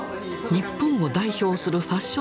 日本を代表するファッション